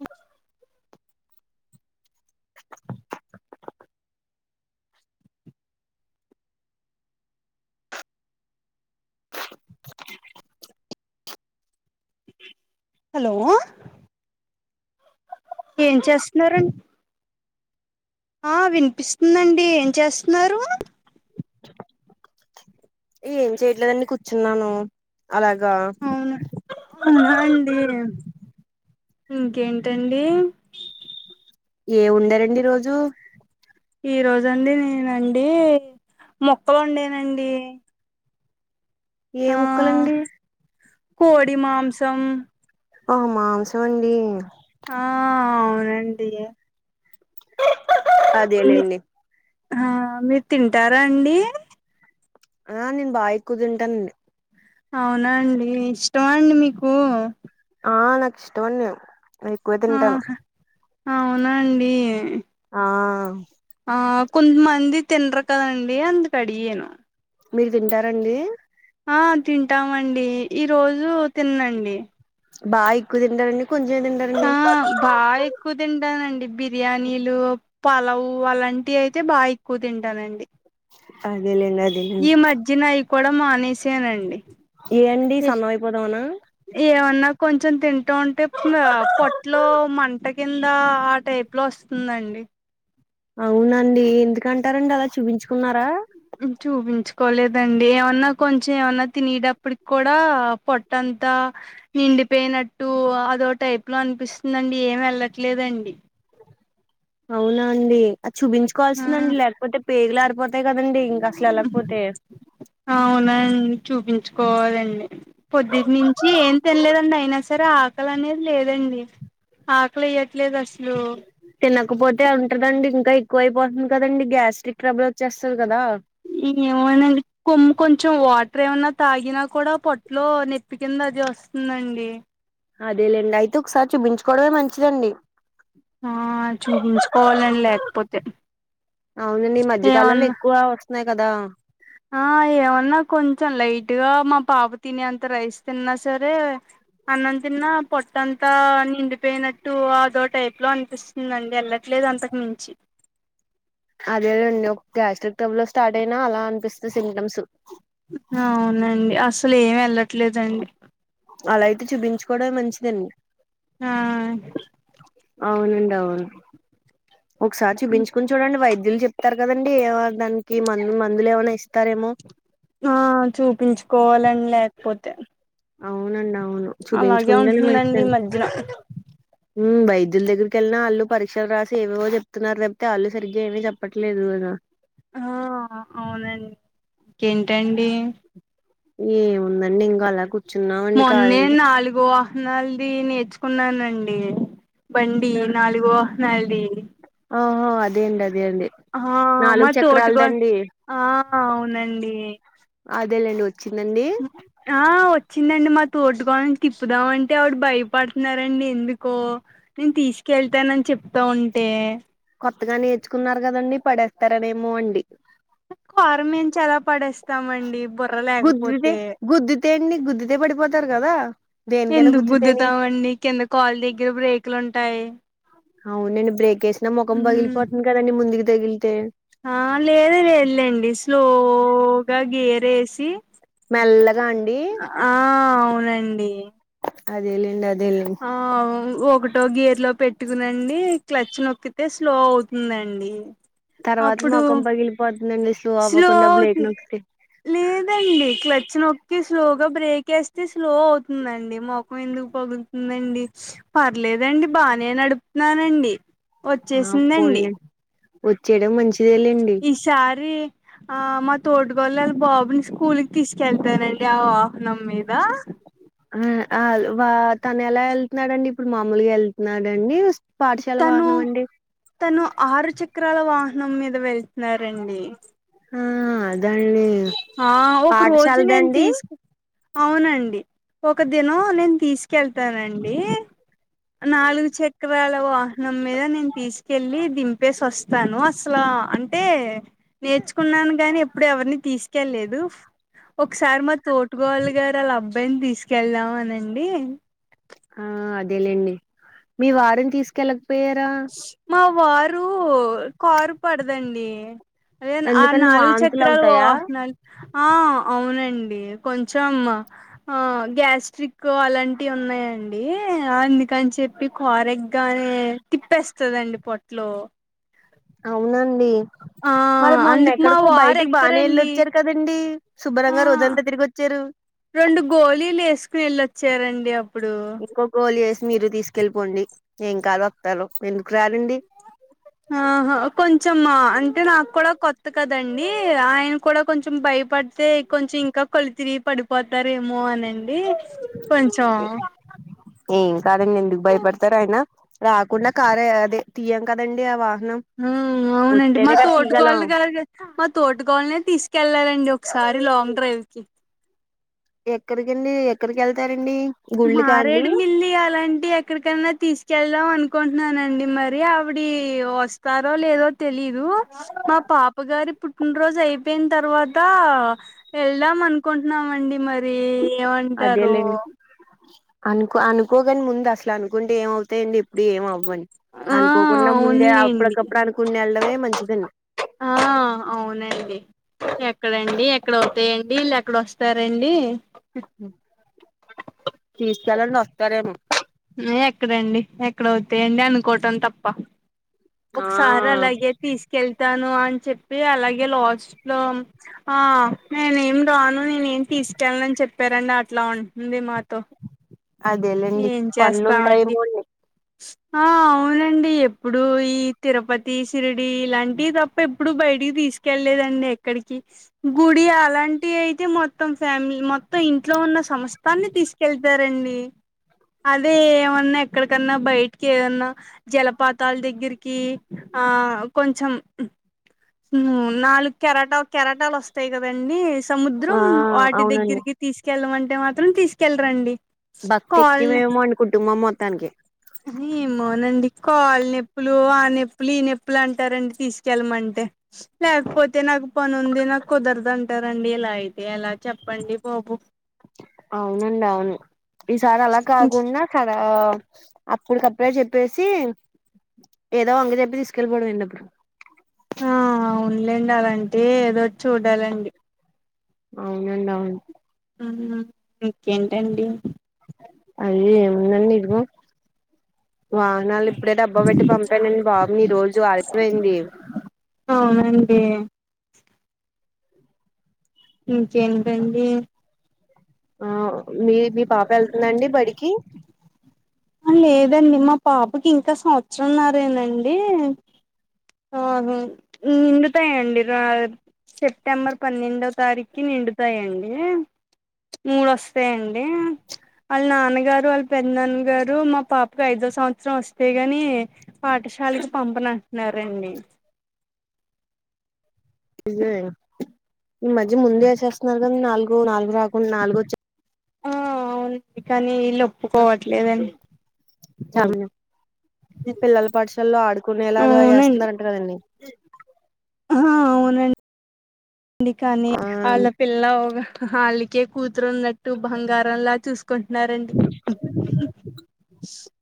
అ [inaudible] hello, ఏం చేస్తున్నరండ్ ఆ వినిపిస్తుందండి, ఏం చేస్తున్నారు? ఏం చేయట్లేదండి, కూర్చున్నాను అలాగా. అవునా అవునా అండి, ఇంకేంటండి? ఏ వండారండి ఈరోజూ? ఈ రోజండి నేనండి మొక్కలు వండానండి ఏ ఆ ముక్కలండీ కోడి మాంసం ఆ మాంసం అండీ ఆ అవునండీ ఇగ అదేలే అండి హా మీరు తింటార అండి ఆ నేను బాగ ఎక్కువ తింటాను అండి అవున అండి ఇష్టం అండి మీకు ఆ నాకు ఇష్టం అండి నేను ఎక్కువ తింటాను అవునండి ఆ ఆ కొంతమంది తినరు కదా అండి అందుక్ అడిగాను మీర్ తింటారండి ఆ తింటామండీ ఈ రోజూ తిన్నండి బాగ ఎక్కువ తింటారండి కొంచమె తింటారండి బాగ ఎక్కువ తింటానండి బిర్యానీలు పోలావు అలాంటి అయితే బాగా ఎక్కువ తింటానండి అదే లే అండి అద్ ఈ మద్యన అయి కూడ మానేసానండి ఏ అండి సన్నం అయిపోదామనా ఏమన్నా కొంచెం తింటా ఉంటే పొట్లో మంట కింద ఆ టైప్ లో వస్తుందండి అవునండి ఎందుకంటారండి అలా చూపించుకున్నారా చూపించుకోలేదండి ఏమన్నా కొంచెం ఏమన్నా తినేటప్పటికి కూడా పొట్టంతా నిండిపోయినట్టు అదో టైప్ లో అనిపిస్తుందండి ఏం వెళ్లట్లేదండి అవునా అండి అది ఆ చూపించుకోవాల్సిందండి లేకపోతే పేగులు ఆరిపోతాయ్ కదండి ఇంక అసలు వెళ్ళకపోతే అవునా అండి చూపించుకోవాలండి పొద్దుట్ నుంచీ ఏం తినలేదండి అయినా సరే ఆ కలి అనేది లేదండి ఆకలి ఎయ్యట్లేదు అసలు తినకపోతే ఉంటదండి ఇంకా ఎక్కువ అయిపోతుంది కదండి గ్యాస్ట్రిక్ ట్రబుల్ వచ్చేస్తుంది కదా ఇ ఏమో నండి కొమ్ము కొంచెం వాటర్ ఏమన్నా తాగినా కూడా పొట్లో నొప్పి కింద అది వస్తుందండి అదేలేండి అయితే ఒకసారి చూపించుకోవడమే మంచిదండి ఆ చూపించుకోవాలని లేకపోతే ఏమన్నా న్నయి కదా ఆ ఏమన్న కొంచెం లైట్ గా మా పాప తి నె అంత రయిస్ తిన్నా సరే అన్నం తిన్న పొట్టంతా నిండిపోయినట్టు అదో టైప్ లో అనిపిస్తుంది ఇంగ అందే ఎళ్ళట్లేదు అంతకు మించి అదేలె అండి ఒక గ్యాస్ట్రిక్ టబుల్ స్టార్ట్ అయినా అలా అనిపిస్తుంది సిమ్టమ్స్ అవునండి అసలు ఏమి వెళ్ళట్లేదు అండి అలా అయితే చూపించుకోవడమే మంచిదండి ఆ అవునండి అవును ఒకసారి చూపించుకు చూడండి వైద్యులు చెప్తారు కదండీ దానికి మందు మందులు ఏమన్న ఇస్తారేమో ఆ చూపించుకోవాలని లేకపోతే అవునండి అవును అలాగే చూపించుకోవడమె మంచి ఉంటుందండి ఈ దండి మధ్యన ఊ వైద్యుల దగ్గరికి వెళ్ళినా వాళ్ళు పరీక్షలు రాసి ఏవేవో చెప్తున్నారు తప్పితే వాళ్ళు సరిగ్గా ఏమీ చెప్పట్లేదు కదా ఆ అవునండి ఇంకేంటండి ఏముందండి ఇంకా అలా కూర్చున్నామండి మొన్నే ఖాళీగా నాలుగో నల్ది నేర్చుకున్నానండి బండి నాలుగో నల్ది ఆహ అదే అండి అదే అండి ఆ మా నాలుగు తోటి కోడలు చక్రాలదండి ఆ అవునండీ అదేలేండి వచ్చిందండి ఆ వచ్చిందండి మా తోటీకోడలు తిప్పుదాంమంటే ఆవిడ భయపడుతున్నారండి ఎందుకో నేను తీసుకెళ్తానని చెప్తా ఉంటే కొత్తగా నేర్చుకున్నారు కదండి పడేత్తరనేమోనండి పారం మించి ఎలా పడేస్తామండి బుర్ర గుద్దితే లేకపోతే గుద్దితే అండి గుద్దితే పడిపోతారు కదా దేనికైనా ఎందుకు గుద్దితేని గుద్దుతాండి కింద కాల్ దగ్గర బ్రేకులు ఉంటాయ్ అవును లేండి బ్రేక్ వేసినా ముఖం పగిలిపోతుంది కదండి ముందుకు తగిలితే ఆ లేదులేండి స్లోగా గేర్ వేసి మెల్లగా అండి ఆ అవునండి అదేలేండి అదేలేండి ఆ ఒకటో గేర్లో పెట్టుకునండి క్లచ్ నొక్కితే స్లో అవుతుందండి తర్వాత అప్పుడు ముఖం పగిలిపోతుందండి స్లో అవ్వకుండా బ్రేక్ నొక్కితే లేద్ ఈ క్లచ్ నొక్కి స్లోగా బ్రేక్ వేస్తే స్లో అవుతుందండి మొఖం ఎందుకు పగుల్ ఉందండి పర్లేదండి బానే నడుపుతున్నానండి ఆ వచ్చేసిందండి పోన్లే వచ్చేయడం మంచిదేలేండి చారి ఆ మా తోటికోడలు వాళ్ల బాబుని స్కూల్కి తీసుకెళ్తానండి ఆ వాహనం మీదా ఆ ఆల్ వా తన ఎలా ఎళ్తున్నాడండి ఇప్పుడు మామూలుగా వెళ్తున్నాడండి వస్ పాఠశాల తను వాహనం అండి తను ఆరు చక్రాల వాహనం మీద వెళ్తున్నారండి ఆ ఆదండి ఆ ఒక రోజు నేను తీసుకు అవునండి ఒక దినం నేను తీసుకెళ్తానండి నాలుగు చక్రాల వాహనం మీద నేను తీసుకెళ్ళి దిం దింప్పేసి వస్తాను అసలా అంటే నేర్చుకున్నాను గాని ఎప్పుడు ఎవరిని తీ క్కే లేదు ఒకసారి మా తోటుకోడలు గారు అలా అబ్ అబ్బాయిని తీసుకెళ్దాం అనండి ఆ అదేలేండి మీ వారిని తీసుకెళ్ల పేరా ష్ మా వారు కారు పడదండి అదే ఆ ఎందుకండి నాలుగు వాంతులు చక్రాలు అవుతాయా వాహనాల్ ఆ అవునండి కొంచెం ఆ గ్యాస్ట్రిక్కు అలాంటివి ఉన్నాయండీ అందుకని చెప్ మీ కారేగ్గానే తిప్పేస్తుదండి పొట్లో అవునండీ ఆ మరి మొన్న అందుకు మా ఎక్కడికో వారు బయటికి బానే ఎక్కరండి ఎళ్ళొచ్చారు వెళ్లారు కదండి ఆ శుభ్రంగా రోజంతా తిరిగి వచ్చారు రెండు గోలీలు వేసుకుని వెల్లోచ్చారండి అబ్ ఇంకో గోలి ఎసి మీరు తీసుకెళ్ళిపోండి ఏం కాదు వస్తారు ఎందుకు రారండి. ఆహా కొంచెం అంటే నాకు కూడా కొత్త కదండి ఆయన కూడా కొంచెం భయపడితే కొంచెం ఇంకా కళ్లు తిరిగి పడిపోతారేమో అనండి కొంచెం ఏం కాదండి ఎందుకు భయపడతారు ఆయన రాకుండా కారే అదే తీయం కదండీ ఆ వాహనం ఆ అవునండి మా వత్తేనే కదా తోటుకోళ్ళ తీయగలం గలగ మా తోటి కోడల్ని తీసుకెళ్ళానండి ఒకసారి లాంగ్ డ్రైవ్ కి ఎక్కడికండి ఎక్కడికి వెళ్తారండి గుళ్ళకా అండి మారేడుమిల్లి అలాంటి ఎక్కడికన్నా తీసుకెళ్దాం అనుకుంటున్నానండి మరి ఆవిడి వస్తారో లేదో తెలీదు. మా పాప పాపగారి పుట్టినరోజు అయిపోయిన తర్వాత, వెళ్దాం అనుకుంటున్నామండి మరి అదే ఏమంటారు లెండి అనుకో అనుకోగానే ముందు అసలు అనుకుంటే ఏమవుతాయండి. ఆప్పుడు ఏం అవ్వని ఆ అనుకోకుండా ముందే అవునులేండి అప్పటికప్పుడు అనుకుని వెళ్ళడమే మంచిదండి ఆ అవునండి ఎక్కడండి ఎక్కడవుతాయండి విళ్ళ ఎక్కడ వస్తారండి తీసుకెళ్లండి వస్తారేమో ఎక్కడండి ఎక్కడవుతాయండి అనుకోవటం తప్ప ఆ ఒకసారి అలాగే తీసుకెళ్తాను అని చెప్పి అలాగే లాస్ట్ లో ఆ నేనేం రాను నేనేమి తీసుకెళ్ళనని చెప్పారండి అట్లా ఉంటుంది మాతో అదేలేండి ఏం చేస్తామండి పనులుంటాయేమో అండి ఆ అవునండి ఎప్పుడు ఈ తిరపతి తీ సిరిడి ఇలాంటివి తప్ప ఎప్పుడు బయటికి తీసుకెళ్లేదండి ఎ ఎక్కడికి గుడి అలాంటి అయితే మొత్తం ఫ్యామిలీ మొత్తం ఇంట్లో ఉన్న సంస్థాన్ని తీసుకెళ్తారండి అదే ఏమన్నా ఎక్కడికన్నా బయటికి ఏదన్నా జలపాతాల దగ్గరికి ఆ కొంచెం నాలుగు కెరాటా కెరాటాలు వస్తాయి కదండి సముద్రం ఆ వాటి అవునండి దగ్గరికి తీసుకెళ్లమంటే మాత్రం తీసుకెళ్లరండి భక్తి కాళ్ళ ఎక్కివేమో అండి కుటుంబం మొత్తానికి ఏమోనండి కాళ్ళ నొప్పులు ఆ నొప్పులు ఈ నొప్పులు అంటారండి తీసుకెళ్ళమంటే లేకపోతే నాక్ పనుంది నాకు కుదరదుంటారండి ఇలా అయితే ఎలా చెప్పండి బాబు అవునండి అవును ఈసారి అలా కాకుండా ఈసారి అప్పుడు కప్పుడే చెప్పేసి ఏదో వంక చెప్పి తీసుకెళ్లి పోండండి అప్పుడు ఆ అవునులెండి అలాంటే ఏదో ఒకటి చూడాలండి అవునండి అవును ఆహా ఇంకేంటండి అదే ఏముందండి ఇదిగో వాహనాలు ఇప్పుడే డబ్బా పెట్టి పంపానండి బాబు ఈ రోజు ఆలస్యమైంది అవునండి. ఇంకేంటండి ఆ మీ పాప వెళ్తుందండి బడికి లేదండి మా పాపకి ఇంకా సంవత్సరంన్నారేనండి అ అవి నిండుతాయి అండి సెప్టెంబర్ పన్నెండో తారీఖుకి నిండుతాయంండి మూడు వస్తాయండి వాళ్ళ నాన్నగారు వాళ్ళ పెద్దన్న గారు మా పాపకు ఐదో సంవత్సరం వస్తే గాని పాఠశాలకి పంపనంటున్నారండి [unintelligible] ఈ మధ్య ముందే ఎసేస్తున్నారు కద నాలుగు నాలుగు రాకుండా నాలుగోచ్చి ఆ కానీ వీళ్ళు ఒప్పుకోవట్లేదని పాఠషాల్లో ఆడుకునేలాగా ఎస్తున్నారంట కదండి. ఆ అవునండిడి కానీ ఆ వాళ్ళ పిల్ల వాళ్ళకే కూతురున్నట్టు బంగారంలా చూసుకుంటున్నారండి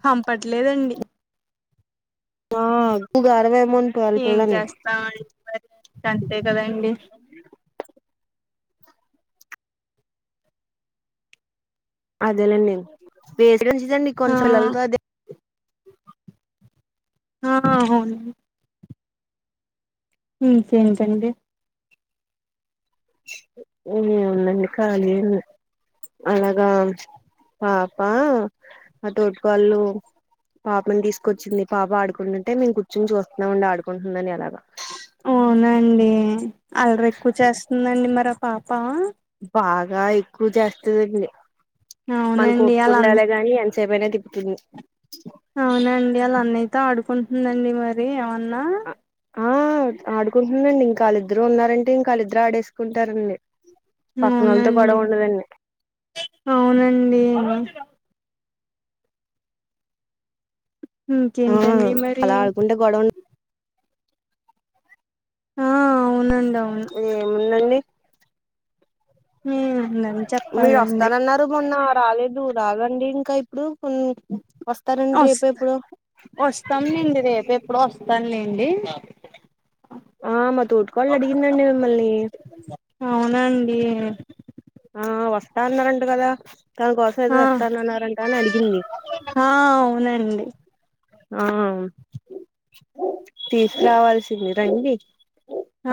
పంపట్లేదండి. ఆ గరవ ఏమౌం పోవాలి ఏం పళ్ల్లని [unintelligible] మరి అంతే కదండి అదేనండి [unintelligible] ఆ ఆ ఇంకేంటండి. ఏ ఉందండి ఖాళీ యే అలగా పాపా ఆ తోటి కోడలు పాపని తీసుకొచ్చింది పాప ఆడుకుంటుంటే మేము కూర్చుని చూస్తున్నాంమండి ఆడుకుంటుందని అలాగా. అవునండి అల్లరి ఎక్కువ చేస్తుందండి మరి పాప బాగా ఎక్కువ చేస్తుందండి మనకు అవునండి అలా అన్న ఒప్కుండాలే గాని ఆ ఎంత సేపు అయినా తిప్పుతుంది అవునండి అళ్ళ అన్నయి తో ఆడుకుంటుందండి మరి ఏమన్నా ఆ ఆ ఉమ్ ఆడుకుంటుందండి ఇంకాళ్ళిద్దరు ఉన్నారంటే ఇంకాళ్ళిద్దరు ఆడేసుకుంటారండి పక్కన వాళ్ళతో అవునండి గొడవ ఉండదండి అవునండి ఆ ఇంకేంటండి మరి అలా ఆడుకుంటే గొడవ ఆ అవునండి అవును ఏముందండి. ఏముందని చెప్పాలండి మీరస్తతారన్ననారు ఇడు మొన్న రాలేదు రదండి ఇంకా ఇప్పుడు ఉ వస్తారండి రేపు ఎప్పుడో [unintelligible] అప్పుడు వస్తాన్ లేండి. ఆ మా తోటి కోడలు అడిగందండి మిమల్ని అవునండి. ఆ వస్తా అన్నారంట కదా తన కోసం ఏదో ఆ తెస్తానన్నారంట అని అడిగింది ఆ అవునండి ఆ తీసుకురావాల్సింది రండి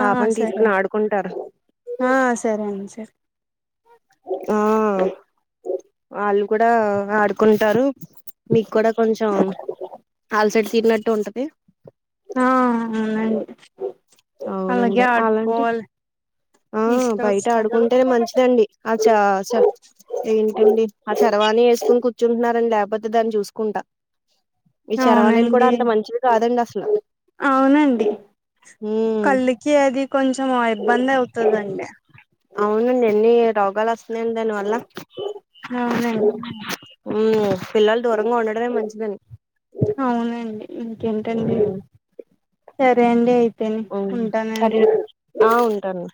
ఆ సరే తీసుకుని ఆడుకుంటారు అండి ఆ సరే అండి సరే ఆ ఆళ్ళు కూడా ఆడుకుంటారు మీకు కూడా కొంచెం అలసైడ్ తీన్నట్టు ఉంటది ఆ అవును అండి అవునండి అలాంటి ఆ బయట తీసుకొస్తాను ఆడుకుంటేనే మంచిదండి అచ్చా స ఏంటండి ఆ చరవాణి వేసుకని కూర్చుంటున్నారుడి లేకపోతే దాన్ని చూసుకుంటా. ఈ చరవాణిలు కూడా అవునండి అంత మంచిది కాదండి అసలు అవునండి ఉమ్ కళ్ళకి అది కొంచెం ఇబ్బంది అవుతుందండి అవునండి ఎన్ని రోగాలు వస్తున్నాయండి దానివల్ల అవునండి ఉ పిల్లలు దూరంగా ఉండడమే మంచిదండి అవునండి ఇంకేంటండి ఉమ్ సరే అండి అయితేని సరే ఉంటానండి ఆ ఉంటాను